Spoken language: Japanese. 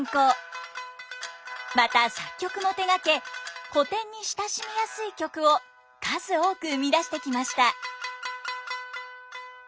また作曲も手がけ古典に親しみやすい曲を数多く生み出してきました。